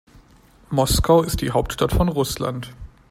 Moskau ist die Hauptstadt von Russland.